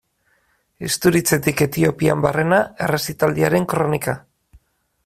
Isturitzetik Etiopian barrena errezitaldiaren kronika.